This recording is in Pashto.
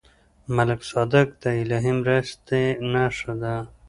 ملک صادق د الهي مرستې نښه ده.